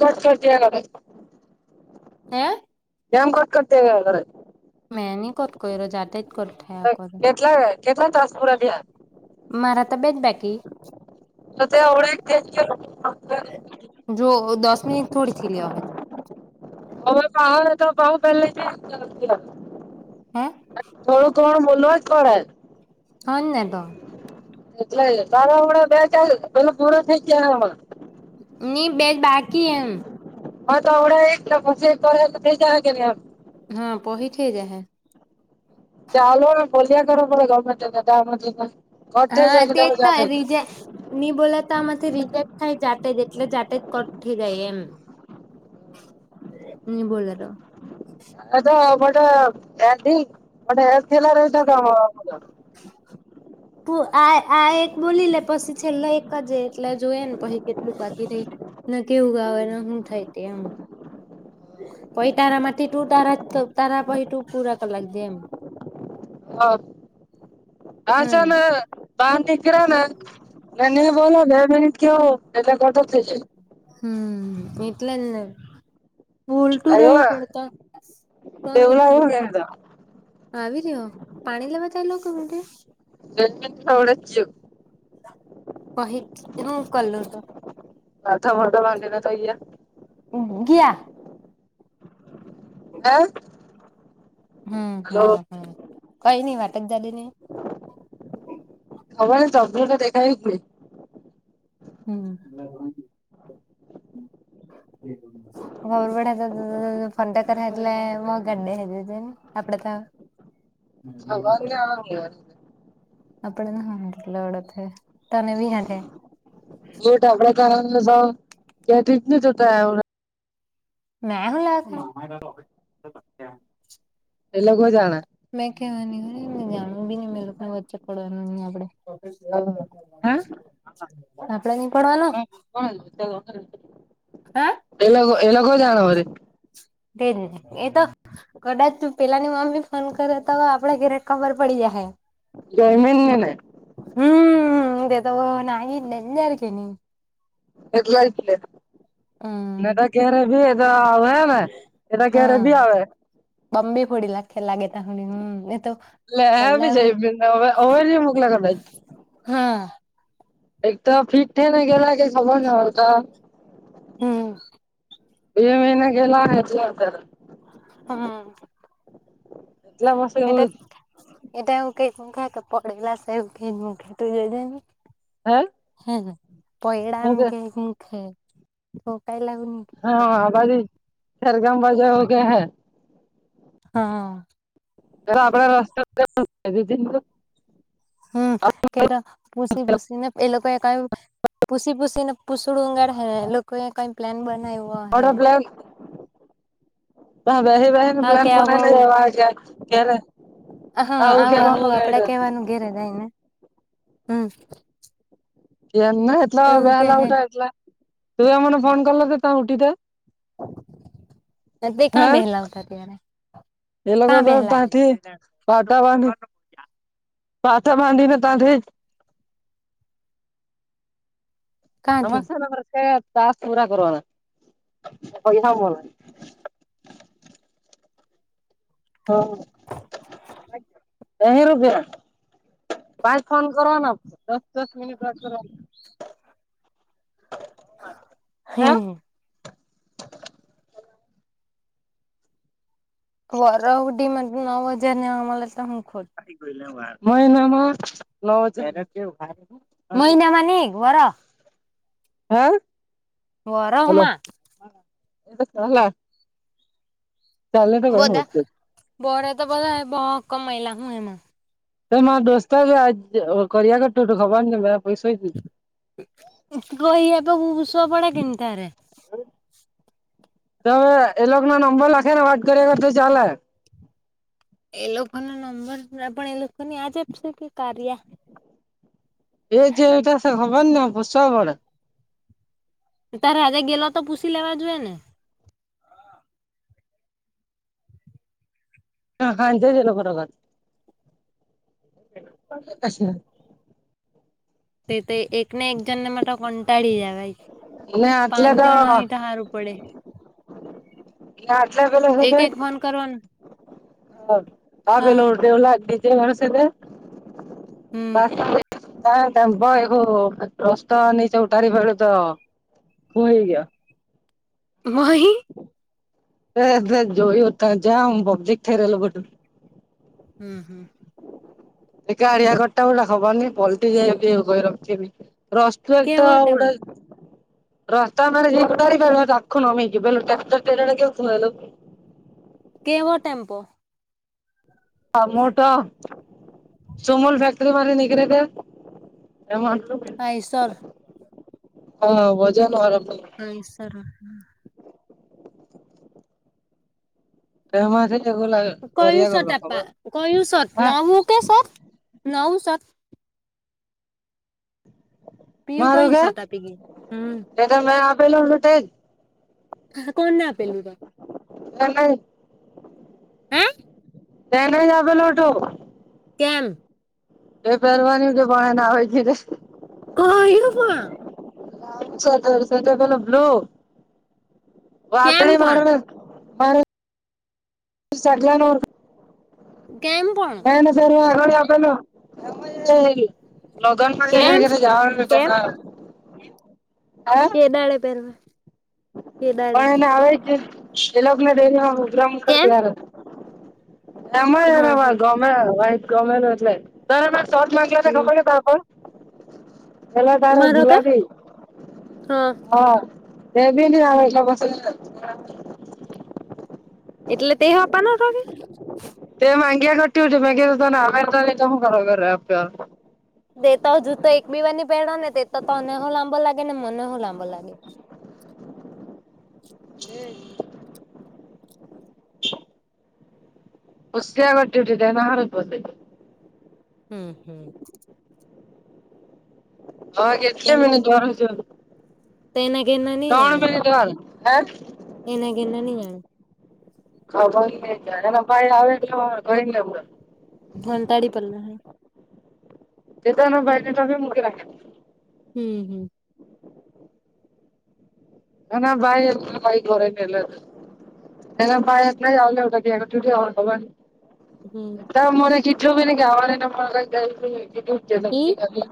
ઘટ કર જ હે જેમ કોટ કરતેવ મે ન કોટ કોઈ રજતા કેટલા કેટલા તાસ પૂરા ભયા મારાત બેદ બાકી તો તે એવડું તે જ કેત જો દસ મિટ થોડી થીી લવા હ જો હવે પાવ તો બાવુ પેલે જ હા કોોડું કોણ બોલુંય કર હા ન તો એટલે સાારડા બે ચાર પેલો પૂરો થઈ ગયામાં ની બેજ બાકી એમ હ તો અવડડા એકછ જ હા પહીથી જા લુંમે પોલ્યાયા કરડે ગમે ઘાય થ બોલાતા આમાંથી રિજેક્ટ થાય જાતે જ એટલે જાતે જ કઠી ગાય એમ હ બોલાર એ તો મોટ એથીલા ર એ તો કામ [inaudible] આ આ એક બોલી લે પછી છેલ્લે એક જ એટલે જોય ને પછી કેટલું કરી રહી ના કેવું ગાવને શું થાય તે એમ પહી તારામાંથી ટુ તારા તારા પહી ટુ પુરા કર લી દે એમ હ હમ આછાાન પાંધકરાના ના ન બોલો બે મિટ કેવ એટલે કટક થ છે હમ એટલે લ લ વોલ્ટું જાય રહેેવું અ પડત તો નહી બેવલા એવું થાય ગેવડે આવી રહ્યો પાણી લેવાતા લોકો માટે [inaudible] કહી હું કલું તો હાથ મો તો વાણડેને તોાઈયા ગયા હ હમ હમ હમ કઈ નહી વાટત દડી ને હવા ચબ્ર નાેખાઈ કુે હમ ખબર પડ તો ફનટા કરલે મ ગાડી જાય છે આપપડે તો [inaudible] હ વા આવ [unintelligible] [unintelligible] મે હું લેવા [unintelligible] [inaudible] એ લોકો જાણે મેં કેવાની હોય જાણવું બી ની મલે લોકોને વચ્ચે પડવાનું ન આપડે. હા [inaudible] આપડે ની પડવાનું. હા હા [inaudible] એ લોકો એ લોકો જાણે વરી. તેજ ને એ તો કદાચ પેલાની મમ્મી ફોન કરે તો આપડે ઘેરે ખબર પડી જાય હે. જયમીન ને ને હમ. [unintelligible] હમ [unintelligible] હમ. બી આવે બમ્બી ફોડી લાખે લાગે તડી હમ એ તો. પલાવી [unintelligible] હા. એક તો ફિટ થયને ગેલા [unintelligible] હમ. બે મહિને ગેલા અત્યારે હમ. એટલા પાસે એટો હે એટો એવુ કેય મુખ હે તો પડેલા [unintelligible] જોની. [inaudible] હા, હ પયડા હું એમ કે ખેય મૂક હે ડોકાયલા આવું હા. આ બાજુ ખેરગામ બાજા કે હે. હા. [unintelligible] હમ કેટો પુસી પુસીને એ લોકોએ એક પૂસી પૂસીને પૂસડું ઉગાડ હે. લોકોએ કઈ પ્લાન બનાવ્યું. હા કે આવું [unintelligible] કયારે? હા, આવો આવો આપડે કેવાનું ઘેરે જાય ને હમ. કયારનો એટલો એવું કે બેલા હે ઉઠા એલા તું આમને ફોન કરલ ત તમે ઉઠીતા. તે હે કાં બેહેલા આવતા ત્યારે એ લોકો કાં તો બેહેલા તારી પાટા બાંધીને [inaudible] પાટા બાંધીને ત જ કાંથી આમાં છે તાસ પૂરા કરવાના પૈસા મલે. [unintelligible] પાંચ ફોન કરવાના દસ દસ મિનિટ બાદ કરવાનું. હે હમ. વરહ સુધીમાં નવ હજાર જેવા મલે તો હુ કરું મહિનામાં લજ કે મહિનામાં ની વરહ હે? હલો વરહમાં. [unintelligible] ચાલને [unintelligible] બોરે તો બધા બહુ કમાયેલા હું એમાં. ત મારા દોસ્તા આજ કર્યા કર ટોટું ખવાનું કે કહી એ પુશ પડા કે તારે. તવે એ લોકોના નંબર લખે ને વાત કરીગ તો ચાલે. એ લોકોનો નંબર આપ પણ એ લોકો ને આજ આપશે કે કાર્યા? [unintelligible] તારા હાથે ગેલો તો પૂછી લેવા જોઈએ ને. હા ખાંત છે લોકોખરોખત તે તો એક ને એક જન નાને માટે કંટાળી જાવાય ને આટલે પાંચ તો જણ એ હારુ પડે ના આટલે બલે હવે કારણ બાેલો દેવ લજ ઘ સાર હમ શંભ એવું રત હનીચ ઉઠારી વેળું તો હુઈ ગ્યો વહી એસસ જોયું ત જ પબજેક થઠરેલું બધું હમ હમ એ ગાળિયા કટા પલા ખબરની પલ્ટટી જાય એું કોહી રખ રસ તો કેવો ટેમ આવડ રસ્તા મ જેુંઢ પાર તખ નમેીકી બલ ટ્રાક્ટરર કેવુંલું કેવો ટેમ્પો હ મોટો સુમુલ ફેક્ટરી માંથી નીકળે તે એ પૈસો હ વજન વાળો પૈસા હારુ ફમ છે એગો લાગ કયું શર્ટ આપા કું સત હા નવું કે સત નવું સત પિયુ મારું કઈ કે શર્ટ આપી ગઈ એ તો મે આપેલો તે હ કોણને આપેલું તને હે લઈ લે જે પેલો તું કેમ એ પહેરવાની હતી પણ એને આવી ગયો તે કહી્યો પણણ પેલો બ્લૂ કેમ વાદળી પણ વારો પણલા કેમ પણ [unintelligible] નગન કેમ પા કેમ કે જા કેડલે પેરવા પણ એને આવે જ શલગ્ન ડેરીમાંગ્રમ કર કેમ તાર હતા. [unintelligible] એમાંને હા હા ગમે વાટ ગમેલું એટલે ત શોટ માંગ ને હમ ખબર છે ત [unintelligible] પેલો તારો મારો કે ગુલાબી હા હ દેબી ના એ બસ એટલે તે આપવાનો હતો કે તે માગ્યા કરતી હતી મે કીધું તને આવે તો લય જા તે તો હજું તો એક બી વાર ની પેરીઓ તે તો તને હ લાંબો લાગે ને મને હ લાંબો લાગે હમ ખુશસીટટી એ ના હાર બોતે હમ હમ આવ એટલે મિને જ્વાર તો એના ઘેર ના ની જાણે ત મિનિટ વાર હે એના ઘેર ના ની જાણે હા ભઈ જાય એ ભાઈ આવે ગને ઘંટાડી પડેલા. તે ના બાઈને તોફી મુકી રાખેલું. હમ હમ. નાના ભાઈ એમ, ભાઈ ઘરે નને એલા. તેના પાાય થહીં, આવું એા દ્યા આ છૂટ આવઉ થય. [unintelligible] હમ. [unintelligible] તમ મોરે મને કીધેલુ ભી નહી [unintelligible]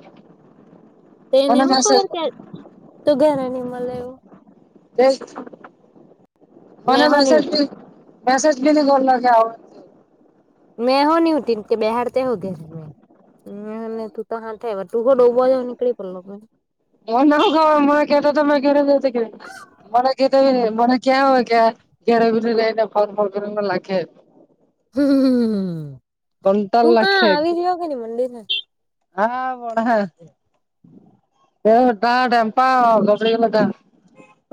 તે એને નું ખબર તં તો ઘરે નઈ મળેવું. રઈશ મેં મને હો ની મેસેજી મેસેજ ભી ન કરોના આવો મેં હ નહી ઉ ટીન કે બહેારતે હોગે [unintelligible] હને તું તો હા તું ખોડો નીકળી પડ [unintelligible] મને ના કેતો મને કેતા તોમે ઘ કે મને કે મને [unintelligible] ક્યાં હોય ક્યાં ઘ્યારે બરે રઈ ને ફોન ફોર કરીને લખે [unintelligible] હમ્મ હમ્મ હમ્મ હમ્મ હમ્મ કંટાળ તું કાં લખે આવી રહ્યો કેને મંદિર ને હા મોડા હે. એટા ડેમપા [unintelligible]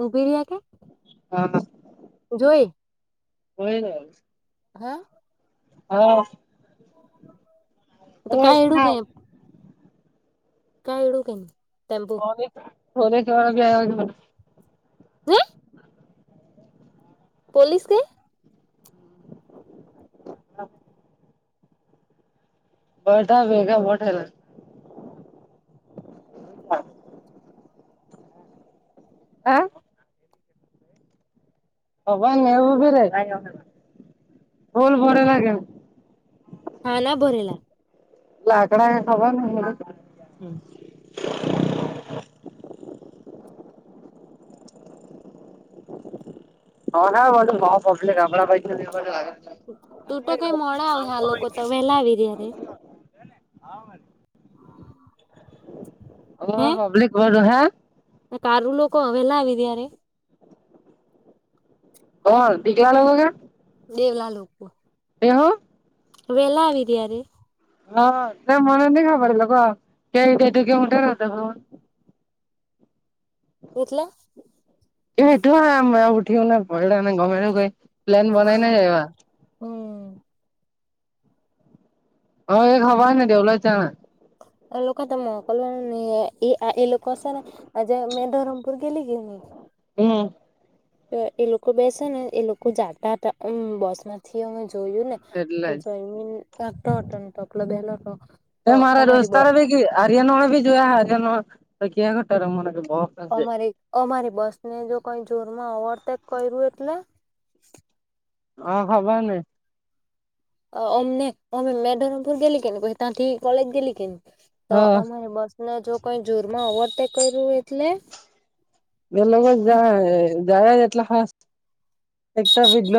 ઉભી રિયા કે હા લસ જોઈ. હોય ને હા. હા. તો ઓય કાઈ એડું ભણા કેમ. કાઈ ડુ કેમ તમ પોલીસવાળા ભી આવ્યા છે. હે પોલીસ કે હમ્મ હા. બધા ભેગા બહુ થયેલા છે. હા. હોવ એવું બી રે ભૂલ ભરેલા કેેમ હા ના ભરેલા લાકડા એ ખબર હમણાં હમ્મ. અમે બધું બો પબ્લિક આપણા બાજું તો [unintelligible] તું તો કઈ મોડા આવે આ લોકો તો વેલા આવી જાય ત્યારે. હા વળી ઓ પબ્લી વર્ગ હે હું તારું લોકો વહેલા આવી રીયા રે. હ દીઘલા લોકો કે દેવલા લોકો બેહો. વેલા આવી ત્યારે હા તે મને ની ખબર એ લોકો [unintelligible] એટલે. એ એટલા આમ ઉઠયા નાને પલાને ગમે કઈ પ્લાન બનાઈને જાયવા હમ અમારે ખબર ને દેવલા ચાહા એ લોકો તો મોકલવાના નહીં એ એ લોકો સે ને આજ મેં ધરમપુર ગેલી કેની હમ એ લોકો બેસે ને એ લોકો જાતા હતામ બસમાં થી અમે જોયું ને એટલે તો જ જી બે એ મારા દોસ્તાર ભી ગયા હરિયાણા વાળા ભી જોયા હરિયાણા તો ક્યાં ગયા ત્યારે મને બઉ અમારી અમારી બસ ને જો કઈ જોરમાં ઓવરટેક કર્યું એટલે હા ખબરને અ અમને અમે મે ધરમપુર ગએલી કે કો ત્યાંથી કોલેજ ગએલી કે તો હા અમારે બસ જો કંઈ જોરમાં ઓવરટેક કર્યું એટલે એ લોકો જાય એટલાાસ એક બજટ